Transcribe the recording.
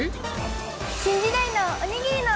新時代のおにぎりの！